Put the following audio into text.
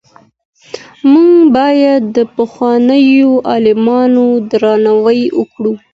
موږ باید د پخوانیو عالمانو درناوی وکړو.